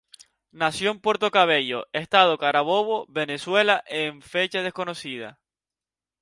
Nació en Puerto Cabello, estado Carabobo, Venezuela, en fecha desconocida.